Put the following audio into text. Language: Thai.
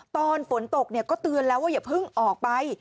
ตอนฝนตกก็เตือนแล้วว่าอย่าเพิ่งออกไป